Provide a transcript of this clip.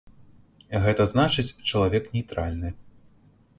Гэта значыць, чалавек нейтральны.